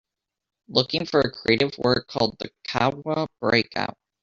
Looking for a creative work called The Cowra Breakout